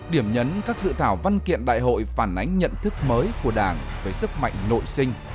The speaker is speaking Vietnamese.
điểm nhấn các dự thảo văn kiện đại hội phản ánh nhận thức mới của đảng về sức mạnh nội sinh